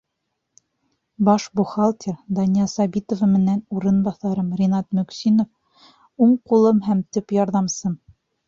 Баш бухгалтер Дания Сабитова менән урынбаҫарым Ринат Мөҡсинов — уң ҡулым һәм төп ярҙамсым.